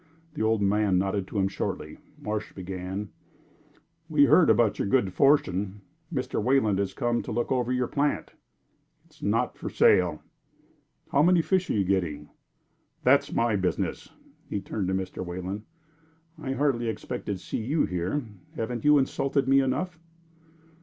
The old man nodded to him shortly. Marsh began: "We heard about your good fortune. Mr. Wayland has come to look over your plant." "It is not for sale." "How many fish are you getting?" "That is my business." He turned to Mr. Wayland. "I hardly expected to see you here. Haven't you insulted me enough?"